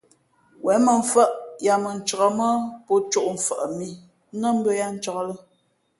Wěn mᾱmfάʼ yāā mᾱ ncāk mά pō cōʼ mfαʼ mǐ nά mbʉ̄ᾱ yáá ncāk lά.